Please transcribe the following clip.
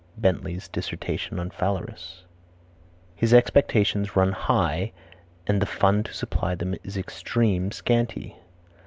Bentley's Dissertation on Phalaris. "His expectations run high and the fund to supply them is extreme scanty."